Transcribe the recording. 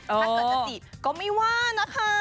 ถ้าเกิดจะจีบก็ไม่ว่านะคะ